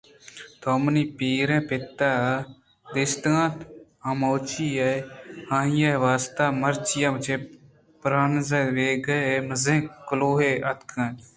تو منی پیریں پت دیستگ اَت؟ آ موچی ئے ءُآئی ءِ واستہ ءَ مرچاں چہ برانز ویک ( جرمن ءِ شہرے) ءَ مزنیں کلوہے اتکگ اَت